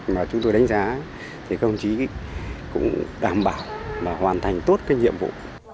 mà chúng tôi đánh giá thì không chỉ cũng đảm bảo mà hoàn thành tốt cái nhiệm vụ